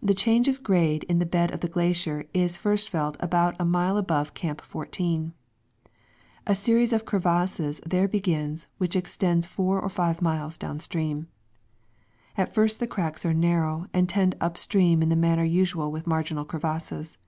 The change of grade in the bed of the glacier is first felt about a mile above Camp 14. A series of crevasses there begins, which extends four or five miles down stream. At first the cracks are narrow, and trend upstream in the manner usual with marginal crevasses.